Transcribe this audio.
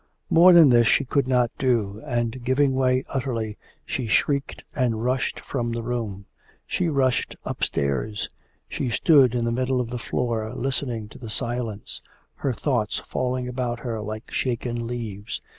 More than this she could not do, and giving way utterly, she shrieked and rushed from the room. She rushed upstairs. She stood in the middle of the floor listening to the silence, her thoughts falling about her like shaken leaves.